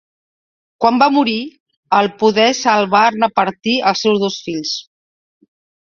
Quan va morir, el poder se'l van repartir els seus dos fills.